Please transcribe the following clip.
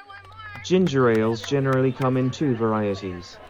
Ginger ales generally come in two varieties.